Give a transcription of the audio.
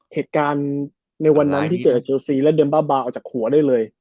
เหตุการณ์ในวันนั้นที่เจอร์หลัดเจียวซีเล่นเดิมบ้าออกจากหัวได้เลย